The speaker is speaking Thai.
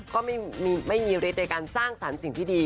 ก็ไม่มีฤทธิ์ในการสร้างสรรค์สิ่งที่ดี